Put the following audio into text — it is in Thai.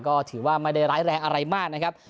ก็ถือว่าไม่ได้ร้ายแรงอะไรมากนะครับ